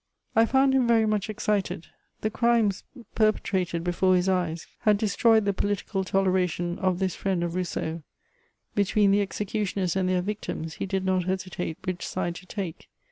I found him very much excited : the criities perpetrated before his eyes had de^ stroyed the political toleration of this friend of Rousseau ; be tween the executioners and their victims he did not hesitate which side to take.